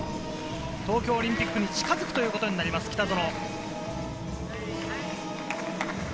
東京オリンピックに近づくということになります、北園。